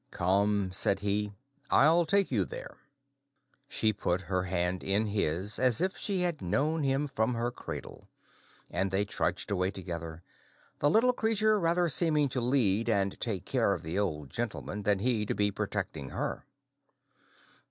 "Come," said he, "I'll take you there." She put her hand in his as if she had known him from her cradle; and they trudged away together, the little creature rather seeming to lead and take care of the Old Gentleman than he to be protecting her.